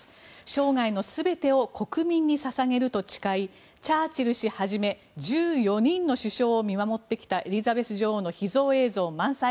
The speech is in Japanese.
生涯の全てを国民に捧げると誓いチャーチル氏をはじめ１４人の首相を見守ってきたエリザベス女王の秘蔵映像満載。